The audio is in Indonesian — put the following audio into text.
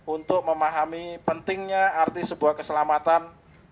untuk memahami pentingnya arti sebuah keselamatan